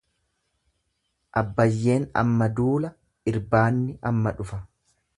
Abbayyeen amma duula irbaanni amma dhufa.